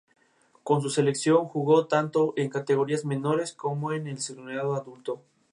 Su misión es atender las necesidades ciudadanas en conocimiento y acceso a la cultura.